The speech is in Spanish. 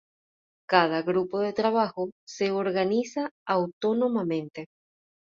Cada grupo de trabajo se organiza autónomamente.